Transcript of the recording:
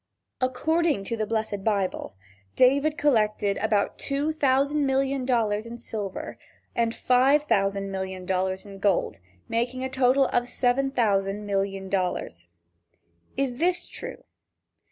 According to the blessed Bible, David collected about two thousand million dollars in silver, and five thousand million dollars in gold, making a total of seven thousand million dollars. Is this true?